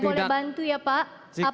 boleh bantu ya pak